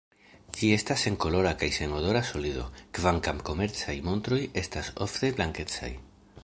Ĝi estas senkolora kaj senodora solido, kvankam komercaj montroj estas ofte blankecaj.